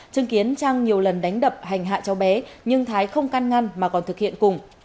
chứng kiến trang nhiều lần đánh đập hành hạ cháu bé nhưng thái không can ngăn mà còn thực hiện cùng